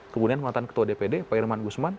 kemudian mantan ketua dpd pak irman gusman